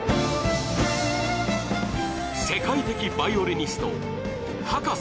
世界的ヴァイオリニスト・葉加瀬